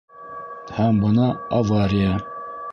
...Һәм бына авария.